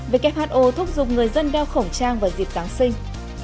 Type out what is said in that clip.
who thúc giục người dân đeo khẩu trang vào dịp giáng sinh